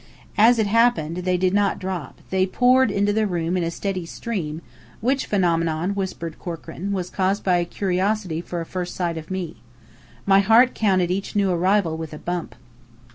As it happened, they did not drop they poured into the room in a steady stream, which phenomenon, whispered Corkran, was caused by curiosity for a first sight of me. My heart counted each new arrival, with a bump.